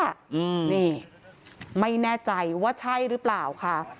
อืมนี่ไม่แน่ใจว่าใช่หรือเปล่าค่ะ